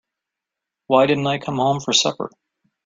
Why didn't I come home for supper?